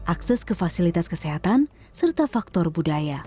akses ke fasilitas kesehatan serta faktor budaya